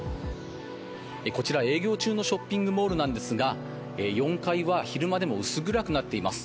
こちら、営業中のショッピングモールなんですが４階は昼間でも薄暗くなっています。